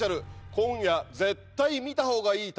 今夜絶対見た方がいい対戦